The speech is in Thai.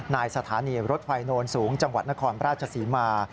สถานีรถไฟโนนสูงจังหวัดนครราชศรีมา